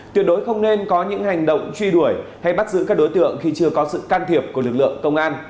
tuyệt đối không nên có những hành động truy đuổi hay bắt giữ các đối tượng khi chưa có sự can thiệp của lực lượng công an